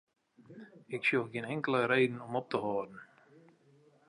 Ik sjoch gjin inkelde reden om op te hâlden.